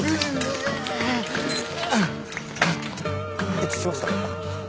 一致しました。